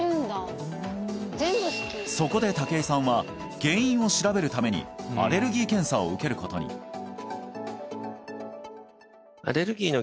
そこで竹井さんは原因を調べるためにアレルギー検査を受けることにと思います